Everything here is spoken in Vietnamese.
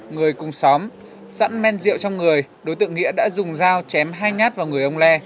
người cùng xóm sẵn men rượu trong người đối tượng nghĩa đã dùng dao chém hai nhát vào người ông le